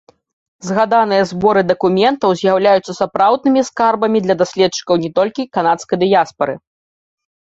Згаданыя зборы дакументаў з'яўляюцца сапраўднымі скарбамі для даследчыкаў не толькі канадскай дыяспары.